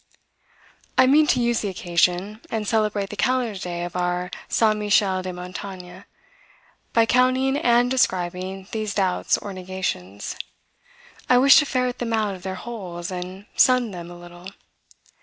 I mean to use the occasion, and celebrate the calendar day of our Saint Michel de Montaigne, by counting and describing these doubts or negations. I wish to ferret them out of their holes, and sun them a little.